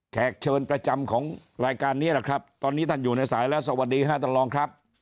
แขกเชิญประจำของรายการนี้แหละครับตอนนี้ท่านอยู่ในสายแล้วสวัสดีค่ะท่านรองครับ